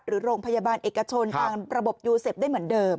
หรือโรงพยาบาลเอกชนตามระบบยูเซฟได้เหมือนเดิม